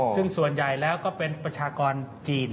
ซึ่งส่วนใหญ่แล้วก็เป็นประชากรจีน